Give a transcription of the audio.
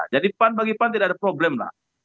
jadi pan bagi pan tidak ada problem lah